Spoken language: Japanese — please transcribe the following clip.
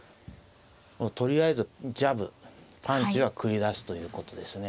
とりあえずジャブパンチは繰り出すということですね。